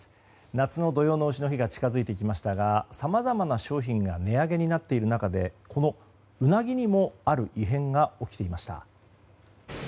夏の土用丑の日が近づいてきましたがさまざまな商品が値上げになっている中でこのウナギにもある異変が起きていました。